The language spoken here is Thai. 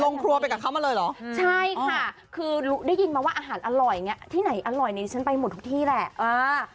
ครัวไปกับเขามาเลยเหรอใช่ค่ะคือได้ยินมาว่าอาหารอร่อยอย่างเงี้ที่ไหนอร่อยนี่ฉันไปหมดทุกที่แหละ